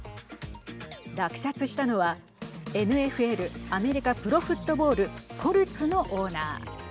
落札したのはＮＦＬ＝アメリカプロフットボールコルツのオーナー。